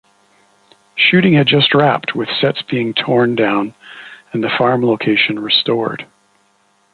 Shooting had just wrapped with sets being torn down and the farm location restored.